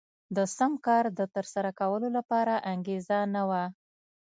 د سم کار د ترسره کولو لپاره انګېزه نه وه.